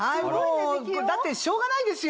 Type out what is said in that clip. だってしょうがないですよ。